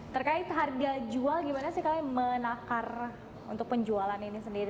terkait harga jual gimana sih kalian menakar untuk penjualan ini sendiri